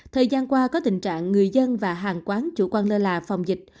thời gian qua có tình trạng người dân và hàng quán chủ quan lơ là phòng dịch